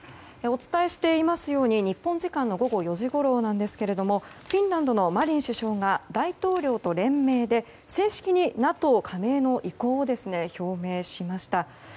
お伝えしていますように日本時間の午後４時ごろですがフィンランドのマリン首相が大統領と連名で正式にＮＡＴＯ加盟の意向を表明しました。